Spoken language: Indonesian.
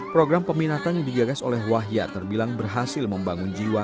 program peminatan yang digagas oleh wahya terbilang berhasil membangun jiwa